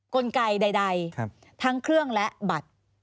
กลไกใดทั้งเครื่องและบัตร